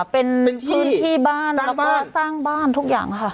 เป็นพื้นที่บ้านแล้วก็สร้างบ้านทุกอย่างค่ะ